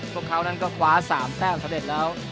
พวกเขานั้นก็คว้า๓แต้มสำเร็จแล้ว